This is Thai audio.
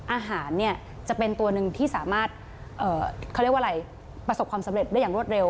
อาหารจะเป็นตัวหนึ่งที่สามารถประสบความสำเร็จได้อย่างรวดเร็ว